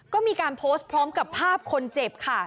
ก็มีการโพสต์พร้อมกับภาพคนเจ็บค่ะ